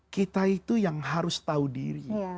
kita itu yang harus tahu diri